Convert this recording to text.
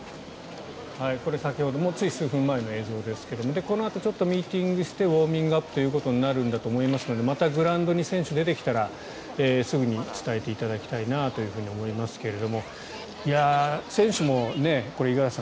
これは先ほどつい数分前の映像ですがこのあとミーティングしてウォーミングアップとなるんだと思いますのでまたグラウンドに選手が出てきたらすぐに伝えていただきたいなと思いますけど選手も、五十嵐さん